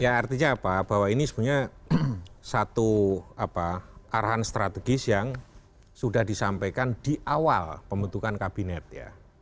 ya artinya apa bahwa ini sebenarnya satu arahan strategis yang sudah disampaikan di awal pembentukan kabinet ya